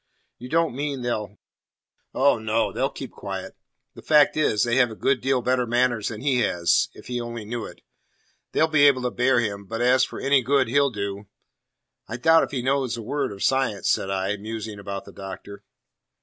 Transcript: "You don't mean they'll " "Oh, no. They'll keep quiet. The fact is, they have a good deal better manners than he has, if he only knew it. They'll be able to bear him. But as for any good he'll do " "I doubt if he knows a word of science," said I, musing about the Doctor.